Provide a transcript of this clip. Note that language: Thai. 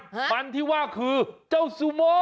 มันที่ว่าคือเจ้าซูโม